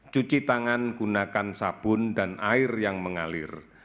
cuci tangan gunakan sabun dan air yang mengalir